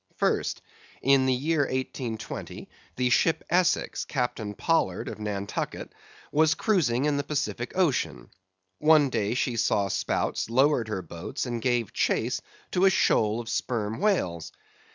First: In the year 1820 the ship Essex, Captain Pollard, of Nantucket, was cruising in the Pacific Ocean. One day she saw spouts, lowered her boats, and gave chase to a shoal of sperm whales.